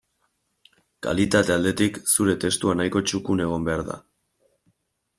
Kalitate aldetik, zure testua nahikoa txukun egon behar du.